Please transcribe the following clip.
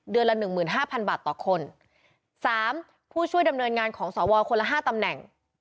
ละหนึ่งหมื่นห้าพันบาทต่อคนสามผู้ช่วยดำเนินงานของสวคนละห้าตำแหน่ง